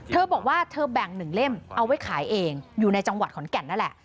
เธอบอกว่าเธอแบ่ง๑เล่มเอาไว้ขายเองอยู่ในจังหวัดขอนแก่นนั่นแหละ